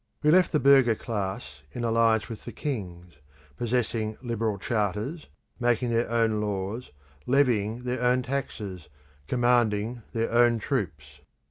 We left the burgher class in alliance with the kings, possessing liberal charters, making their own laws, levying their own taxes, commanding their own troops.